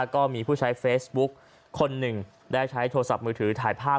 ก็มีผู้ใช้เฟซบุ๊กคนหนึ่งได้ใช้โทรศัพท์มือถือถ่ายภาพ